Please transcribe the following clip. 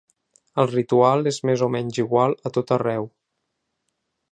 El ritual és més o menys igual a tot arreu.